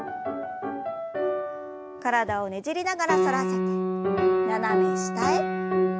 体をねじりながら反らせて斜め下へ。